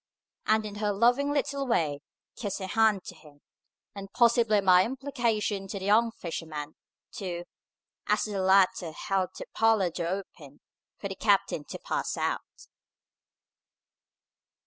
And, in her loving little way, kissed her hand to him, and possibly by implication to the young fisherman, too, as the latter held the parlour door open for the captain to pass out.